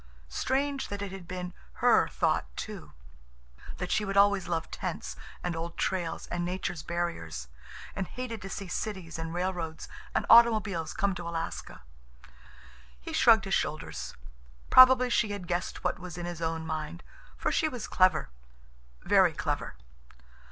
Strange that it had been her thought, too—that she would always love tents and old trails and nature's barriers, and hated to see cities and railroads and automobiles come to Alaska. He shrugged his shoulders. Probably she had guessed what was in his own mind, for she was clever, very clever.